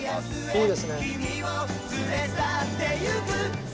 いいですね。